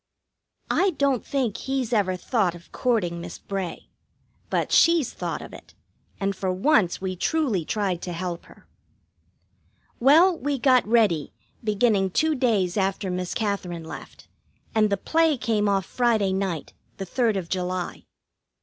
I don't think he's ever thought of courting Miss Bray. But she's thought of it, and for once we truly tried to help her. Well, we got ready, beginning two days after Miss Katherine left, and the play came off Friday night, the third of July.